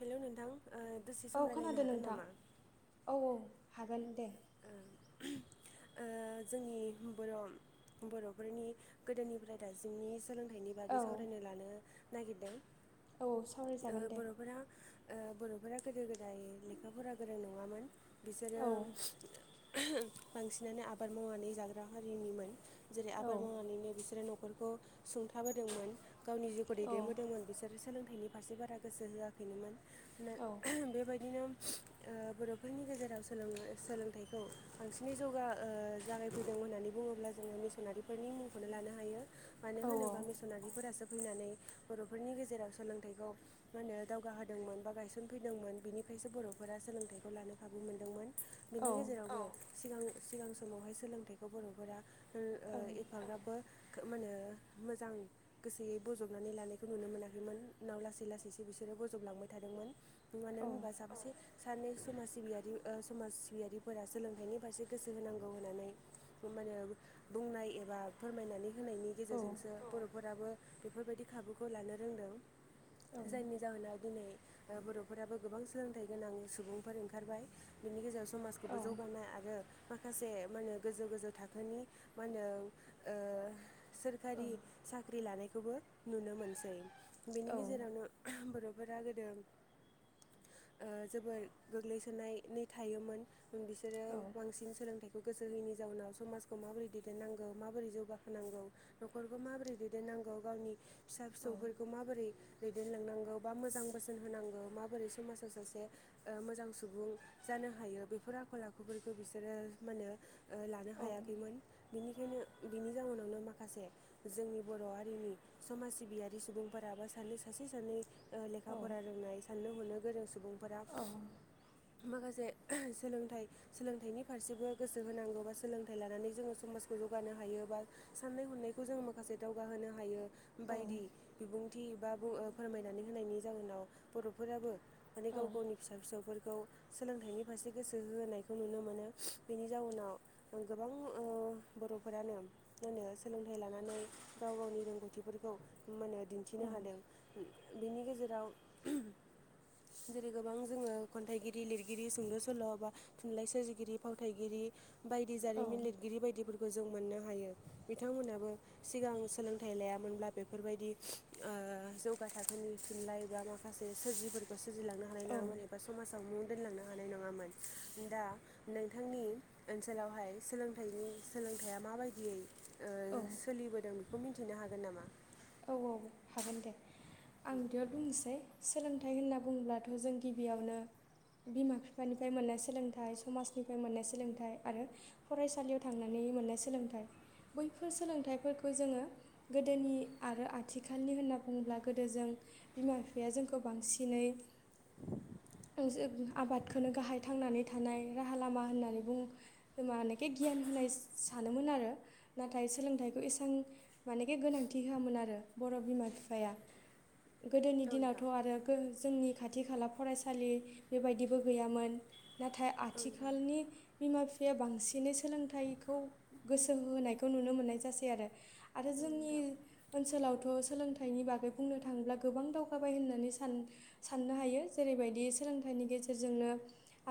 Hello नोंथां ओ दसे औ सम रायलायनो खोनादों हागोन नोंथां नामा औ औ हागोन दे [unintelligible] ओ जोंनि बर' बर'फोरनि गोदोनिफ्राय दाइसिमनि सोलोंथाइनि औ बागै सावरायनो लानो नागिरदों औ ओ सावरायजागोन दे बर'फोरा ओ बर'फोरा गोदो गोदाय लेखा फरा गोरों नङामोन बिसोरो औ बांसिनानो आबाद मावनानै जाग्रा हारिनिमोन जेरै औ आबाद मावनानैनो बिसोरो न'ख नखरखौ सुंथाबोदोंमोन गावनि जिउखौ औ दैदेनबोदोंमोन बिसोर सोलोंथाइनि फारसे बारा गोसो होआखैनोमोन औ बेबायदिनो बर'फोरनि गेजेराव सोलोंनो सोलों थायखौ बांसिनै जौगा जागायफैदों होननानै बुङोब्ला जोङो मिसनारिफोरनि मुंखौनो लानो हायो मानो औ होनोबा मिसनारिफोरासो फैनानै बर'फोरनि गेजेराव सोलोंथाइखौ होनो दावगाहोदोंमोन बा गायसनफैदोंमोन बिनि खाइसो बर'फोरा सोलोंथाइखौ लानो खाबु मोनदोंमोन बिनि औ गेजेराव औ सिगां सिगां समावहाय सोलोंथाइखौ बर'फोरा ओ औ एफाग्राबो खोब मा होनो मोजां गोसोयै बजबनानै लानायखौ नुनो मोनाखैमोन उनाव लासै लासैसो बिसोरो बजबलांबाय थादोंमोन मानो होनबा औ साबासे सानै समाज सिबियारि ओ समाज बायदिफोरा सोलोंथाइनि फारसे गोसो होनांगौ होननानै मानो बुंनाय एबा फोरमायनानै होनायनि गेजेरजोंसो बर'फोराबो बेफोरबायदि खाबुखौ लानो रोंदों जायनि जाहोनाव दिनै बर'फोराबो गोबां सोलोंथाइ गोनां सुबुंफोर ओंखारबाय बिनि गेजेराव समाजखौबो जौगानाय आरो माखासे मा होनो गोजौ गोजौ थाखोनि मा होनो ओ सोरखारि साख्रि लानायखौबो नुनो मोनसै बेनि गेजेरावनो बर' फोरा गोदो ओ जोबोर गोग्लैसोनायनै थायोमोन। बिसोरो बांसिन सोलोंथाइ गोसो होयिनि जाउनाव समाजखौ माबोरै दैदेननांगौ माबोरै जौगाहोनांगौ नखरखौ माबोरै दैदेननांगौ नांगौ गावनि फिसा फिसौफोरखौ माबोरै दैदेनलांनांगौ बा मोजां बोसोन होनांगौ माबोरै समाजाव सासे मोजां सुबुं जा नो हायो बेफोर आखल आखुफोरखौ बिसोरो माने लानो हायाखैमोन बिखायनो बिनि जाउनाव माखासे जोंनि बर' हारिनि समाज सिबियारि सुबुंफोराबो सानै सासे सानै ओ लेखा फरा रोंनाय साननो हनो गोरों सुबुंफोरा माखासे सोलोंथाइ सोलोंथाइनि फारसेबो गोसो होनांगौ बा सोलोंथाइ लानानै जोङो समाजखौ जौगानो हायो बा साननाय हनायखौ जों माखासे दावगाहोनो हायो। बायदि बिबुंथि बा फोरमायनानै होनायनि जाहोनाव बर' फोराबो माने गाव गावनि फिसा फिसौफोरखौ सोलोंथाइनि फारसे गोसो होनायखौ नुनो मोनो। बेनि जाउनाव गोबां ओ बर'फोरानो मा होनो सोलोंथाइ लानानै गाव गावनि रोंगौथिफोरखौ मा होनो दिन्थिनो हादों। बेनि गेजेराव जेरै गोबां जोङो खन्थाइगिरि लिरगिरि सुंद' सल' सल'बा थुनलाइ सोरजिगिरि फावथायगिरि बायदि जारिमिन लिरगिरि बायदिफोरखौ जों मोननो हायो। बिथांमोनाबो सिगां सोलोंथाइ लायामोनब्ला बेफोरबायदि ओ जौगा थाखोनि थुनलाइ बा माखासे सोरजिफोरखौ सोरजिलांनो हानाय औ नङामोन एबा समाजाव मुं दोनलांनो हानाय नङा नङामोन दा नोंथांनि ओनसोलावहाय सोलोंथानि सोलोंथाइया माबायदियै ओ औ सोलिबोदों बेखौ मिथिनो हागोन नामा? औ औ हागोन दे आं बिदिबा बुंनोसै सोलोंथाइ होनना बुङोब्लाथ' जों गिबियावनो बिमा बिफानिफ्राय मोननाय सोलोंथाइ समाजनिफ्राय मोननाय सोलोंथाइ आरो फरायसालियाव थांनानै मोननाय सोलोंथाइ बैफोर सोलोंथाइफोरखौ जोङो गोदोनि आरो आथिखालनि होनना बुङोब्ला गोदो जों बिमा बिफाया जोंखौ बांसिनै [inaudible] जों आबादखौनो गाहाय थांनानै थानाय राहा लामा होननानैबो खोमानिखि गियान होननाय सानोमोन आरो नाथाय सोलोंथाइखौ एसेबां माने बे गोनांथि हाआमोन आरो बर' बिमा बिफाया। गोदोनि औ नोंथां दिनावथ' आरो जोंनि खाथि खाला फरायसालि बेबायदिबो गैयामोन। नाथाय औ नोंथां आथिखालनि बिमा बिफाया बांसिनै सोलोंथाइखौ गोसो होहोनायखौ नुनो मोननाय जासै आरो। आरो औ जोंनि नोंथां। ओनसोलावथ' सोलोंथाइनि बागै बुंनो थाङोब्ला गोबां दावगाबाय होननानै साननो साननो हायो जेरैबायदि बिदि सोलोंथाइनि गेजेरजोंनो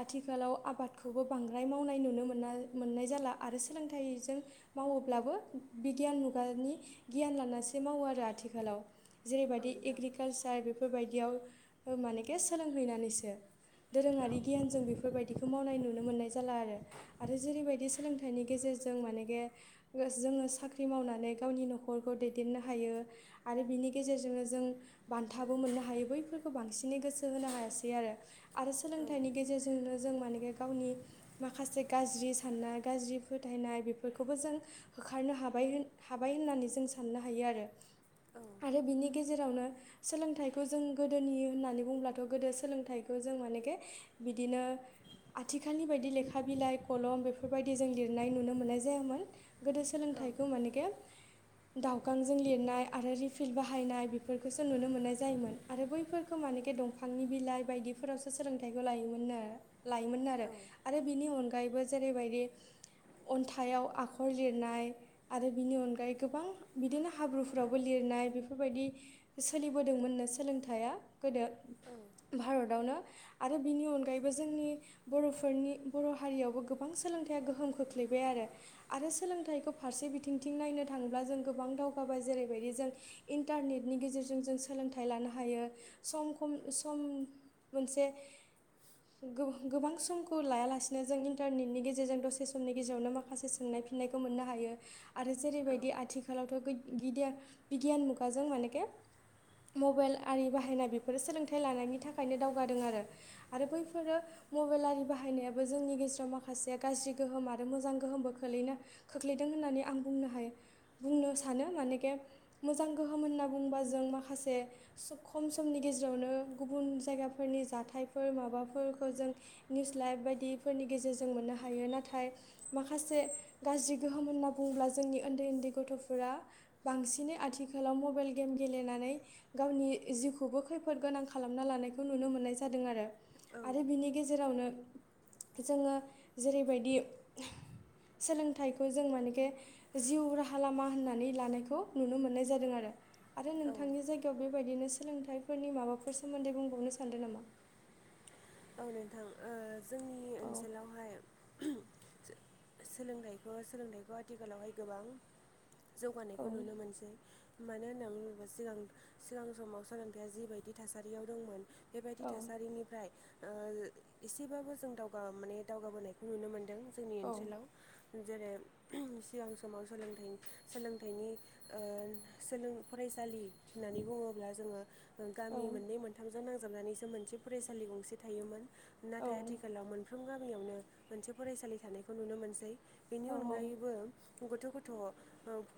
आथिखालाव आबादखौबो बांद्राय मावनाय नुनो मोना मोन नाय जाला आरो सोलोंथाइजों मावोब्लाबो बिगियान मुगानि गियान लानासो मावो आरो आथिखालाव। औ जेरैबायदि नोंथां एग्रिकालसार बेफोरबायदियाव मानेखे सोलोंहैनानैसो दोरोङारि गियानजों बेफोरखौ बेफोरबायदिखौ मावनाय नुनो मोननाय जाला आरो। आरो जेरैबायदि सोलोंथाइनि गेजेरजों माने बे जोङो साख्रि मावनानै गावनि न'खरखौ दै देननो हायो। आरो बिनि गेजेरजोंनो जों बान्थाबो मोननो हायो बैफोरखौ बांसिनै गोसो होनो हासैआरो। आरो औ सोलोंथनि गेजेरजोंनो जों माने बे गावनि माखासे गाज्रि साननाय गाज्रि फोथायनाय बेफोरखौबो जों होखारनो हाबाय होन हाबाय होननानै जों साननो हायो आरो। औ आरो बेनि गेजेरावनो सोलोंथाइखौ जों गोदोनि होननानै बुङोब्लाथ' गोदो सोलोंथाइखौ जों मानेखे बिदिनो आथिखालनि बायदि लेखा बिलाइ कलम बेफोरबायदि जों लिरनाय नुनो मोन्नाय जायामोन। गोदो औ सोलोंथाइखौ मानेखे दावगांजों लिरनाय आरो रिफिल्ड बाहायनाय बेफोरखौसो नुनो मोन्नाय जायोमोन आरो बैफोरखौ माने दंफांनि बिलाइ बायदि फोरावसो सोलोंथाइ लायोमोननो लायोमोनो आरो। बिनि अनग अनगायैबो जेरैबायदि अन्थायाव आखर लिरनाय आरो बिनि अनगायै गोबां बिदिनो हाब्रुफ्रावबो लिरनाय बेफोरबायदि सोलिबोदोंमोननो सोलोंथाइया। गोदो भारतआवनो आरो बिनि अनगायैबो जोंनि बर'फोरनि बर' हारियावबो गोबां सोलोंथाइया गोहोम खोख्लैयो। आरो। आरो सोलोंथाइखौ फारसे बिथिंथिं नायनो नो थाङोब्ला जों गोबां दावगाबाय जेरैबायदि जों इन्टारनेटनि गेजेरजों जों सोलोंथाइ लानो हायो। सम खम सम मोनसे गोबा गोबां समखौ लायालासिनो जों इन्टारनेटनि गेजेरजों दसे समनि गेजेरावनो माखासे सोंनाय फिननाय मोननो हायो आरो जेरैबाय आथिखालावथ' गिद गिदिया बिगियान मुगाजों मानेके मबाइल आरि बाहायनाय बेफोरो सोलोंथाइ लानायनि थाखायनो दावगादों आरो आरो बैफोरो मबाइल आरि बाहायनायाबो जोंनि गेजेराव माखासे गाज्रि गोहोम आरो मोजां गोहोमबो खोलोनो खोख्लै दों होननानै आं बुंनो हायो। बुंनो सानो मानेके मोजां गोहोम होनना बुंङोबा जों माखासे खम समनि गेजेरावनो गुबुन जायगाफोरनि जाथायफोर माबाफोरखौ जों निउस लाइभ बायदिफोरनि गेजेर मोननो हायो नाथाइ माखासे गाज्रि गोहोम होनना बुङोब्ला जोंनि ओन्दै ओन्दै गथ'फोरा बांसिनै आथिखालाव मबाइल गेम गेलेनानै गावनि जिउखौबो खो खैफोद गोनां खालामना लानायखौ नुनो मोन्नाय जादों आरो औ आरो बिनि गेजेरावनो जोङो जेरैबायदि सोलोंथाइखौ जों मानेके जिउ राहा राहा लामा होननानै लानायखौ नुनो मोननाय जादों आरो आरो नोंथांनि औ जायगायाव बेबायदिनो स सोलोंथाइफोरनि माबाफोर सोमोन्दै बुंबावनो सान्दों नामा? औ नोंथां ओ जोंनि औ ओनसोलावहाय सो-सोलोंथाइखौ सोलोंथाइखौ आथिखालावहाय गोबां औ जौगानायखौ नुनो मोनसै मानो होननानै बुङोब्ला सिगां सिगां समाव सोलोंथाइया जिबायदि थासारियाव दंमोन बेबायदि औ थासारिनिफ्राय ओ एसेबाबो जों दावगा माने दावगाबोनायखौ नुनो मोनदों जोंनि औ ओनसोलाव। जेरै सिगां समाव सोलोंथाइनि सोलोंथायनि ओ सोलों फराय सालि होननानै बुङोब्ला जोङो गामि मोननै मोनथामजों नांजाबनानैसो मोनसे फरायसालि गंसे थायोमोन औ नाथाय आथिखालाव मोनफ्रो [unintelligible] गामियावनो मोनसे फरायसालि थानायखौ नुनो मोनसै बेनि औ औ अनगायैबो गथ' गथ' ओ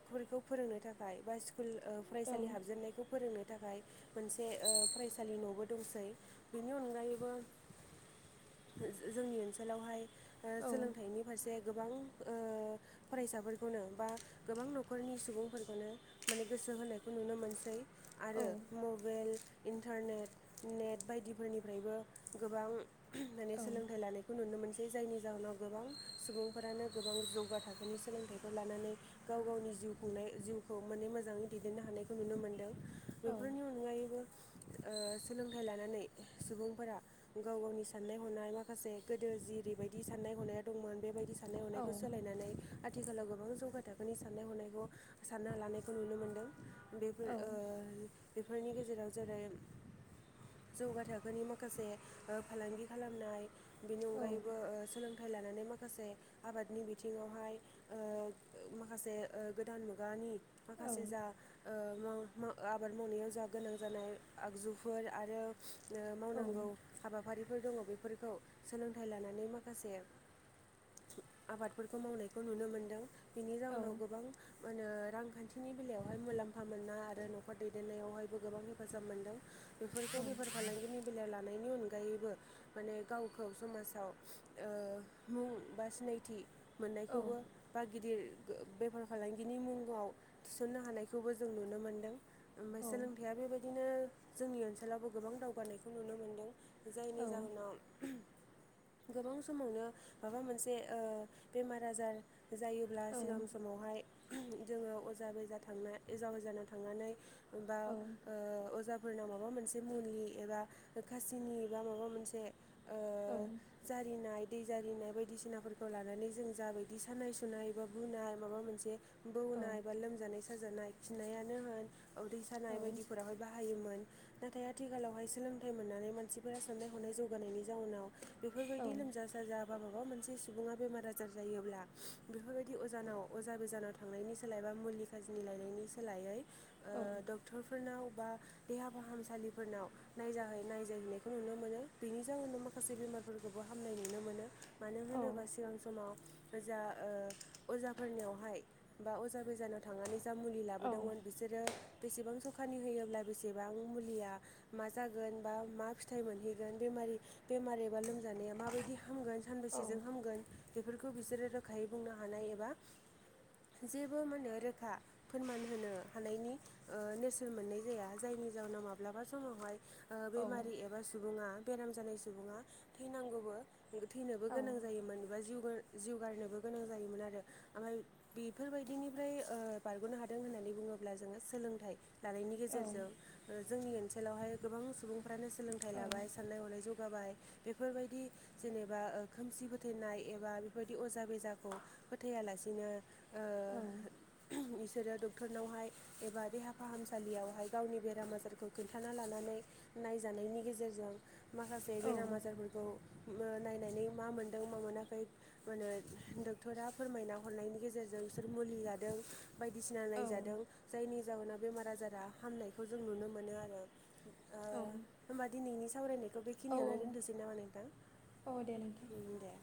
फोरफोरखौ फोरोंनो थाखाय बा स्कुल ओ औ फरायसालि हाबजेननायखौ फोरोंनो थाखाय मोनसे ओ फरायसालि न'बो दंसै बेनि अनगायै बो जो-जो-जोंनि ओनसोलावहाय ओ सोलोंथाइनि फारसे गोबां ओ फरायसाफोरखौनो बा गोबां न'खरनि सुबुंफोरखौनो माने गोसो गोसो होनायखौ नुनो मोनसै। आरो मबाइल इन्टारनेट नेट बायदिफोरनिफ्रायबो गोबां माने सोलोंथाइ लानायखौ नुनो मोनस सै जायनि जाहोनाव गोबां सुबुंफोरानो गोबां जौगा थाखोनि सोलोंथाइफोर लानानै गाव गावनि जिउ खुंनाय जिउखौ माने मोजाङै दैदेननो हानायखौ नुनो मोनदों बेफोरनि अनगायैबो ओ सोलोंथाइ लानानै सुबुंफोरा गाव गावनि साननाय हनाय माखासे गोदो जेरैबायदि साननाय हनाया दंमोन बेबायदि साननाय हनायखौ सोलायनानै आथिखालाव गोबां जौगा थाखोनि साननाय हनायखौ सानना लानायखौ नुनो मोनदों बेफोर ओ बेफोरनि गेजेराव जेरै जौगा थाखोनि माखासे ओ फालांगि खालामनाय बिनि अनगायैबो सोलों थाय लानानै माखासे आबादनि बिथिङावहाय ओ माखासे ओ गोदान मुगानि माखासे जा ओ मा मा आबाद मावनायाव जा गोनां जानाय आगजुफोर आरो ओ मावनांगौ हाबाफारिफोर दङ बेफोरखौ सोलोंथाइ लानानै माखासे आबादफोरखौ मावनायखौ नुनो मोनदों बिनि जाउनाव गोबां मा होनो रांखान्थिनि बेलायावहाय मुलाम्फा मोना आरो न'खर दैदेननायावहायबो गोबां हेफाजाब मोनदों। बेफोरखौ बेफार फालांगिनि बेलायाव लानायनि अनगायै बो माने गावखौ समाजाव ओ मुं बा सिनायथि मोननायखौबो बा गिदिर बेफार फालांगिनि मुंाव थिसननो हानायखौबो जों नुनो मोनदों ओमफ्राय सोलोंथाइया बेबायदिनो जोंनि ओनसोलावबो गोबां दावगानायखौ नुनो मोनदों जायनि जाहोनाव गोबां समावनो माबा मोनसे बेमार आजार जायोब्ला सिगां समावहाय जोङो अजा बेजा थांना एजाव गोजानाव थांनानै बा अजाफोरनाव माबा मोनसे मुलि एबा खासिनि बा माबा मोनसे जारिनाय दै जारिनाय बायदिसिनाफोरखौ लानानै जों जाबायदि सानाय सुनाय बा बुनाय माबा मोनसे बौनाय बा लोमजानाय साजानाय खिन्नायानो होन उदै सानाय बायदिफोरावहाय बाहायोमोन नाथाय आथिखालावहाय सोलोंथाइ मोननानै मानसिफोरा साननाय हनाय जौगानायनि जानाव बेफोरबायदि लोमजा साजा बा माबा मोनसे मोनसे सुबुङा बेमार आजार जायोब्ला बेफोरबायदि अजानाव अजा गोजानाव थांनायनि सोलायबा मुलिखा बिजनि लायनायनि सोलायै डक्टरफोरनाव बा देहा फाहामसालिफोरनाव नायज नायजाहैनायखौ नुनो मोनो बेनि जाहोनाव माखासे बेमारफोरखौबो हामनाय नुनो मोनो मानो होनोबा सिगां समाव जा अजाफोरनियावहाय बा अजा गोजानाव थांनानै जा मुलि लाबोदोंमोन बिसोरो बेसेबां सखानि होयोब्ला बेसेबां मुलिया मा जागोन बा मा फिथाइ मोनहैगोन बे बेमार एबा लोमजानाया माबायदि हामगोन सानबैसेजों हामगोन बेफोरखौ बिसोरो रोखायै बुंनो हानाय एबा जेबो माने रोखा फोरमान होनो हानायनि नेरसोन मोननाय जाया जायनि जउाव माब्लाबा समावहाय बेमारि एबा सुबुङा बेराम जानाय सुबुङा थैनांगौबो थैनोबो गोनां जायो मबा जिउ जिउ गारनोबो गोनां जायोमोन आरो ओमफ्राय बेफोरबायदिनिफ्राय बारग'नो हादों होननानै बुङा बुङोब्ला जोङो सोलोंथाइ लानायनि गेजेरजों जोंनि ओनसोलावहाय गोबां सुबुंफ्रानो सोलोंथाइ लाबाय साननाय हनायजों बाबाय बेफोरबायदि जेनेबा खोमसि फोथैनाय एबा बेफोरबायदि अजा बेजाखौ फोथायालासिनो बिसोरो डक्टरनावहाय एबा देहा फाहामसालियावहाय गावनि बेराम आजारखौ खोन्थाना लानानै नायजानायनि गेजेरजों माखासे बेराम आजारफोरखौ नायनानै मा मोनदों मा मोनाखै मा होनो डक्टरा फोरमायना हरनायनि गेजेरजों जों बिसोर मुलि जादों बायदिसिना नायजादों जायनि जाहोनाव बेमार आजारा हामनायखौ जों नुनो मोनो आरो होमबा दिनैनि सावरायनायखौ बेखिनियावानो दोनद'सै नामा नोंथां दे नोंथां दे